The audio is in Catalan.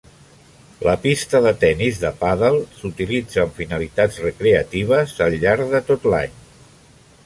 La pista de tennis de pàdel s'utilitza amb finalitats recreatives al llarg de tot l'any.